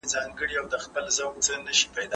مسلکي کسان د هېواد په اقتصاد کي مرسته کوي.